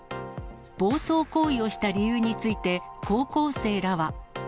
暴走行為をした理由について、高校生らは。